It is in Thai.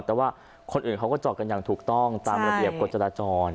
แต่ว่าคนอื่นเขาก็จอดกันอย่างถูกต้องตามระเบียบกฎจราจร